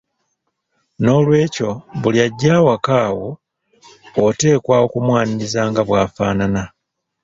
Noolwekyo buli ajja awaka wo oteekwa okumwaniriza nga bw’afaanana.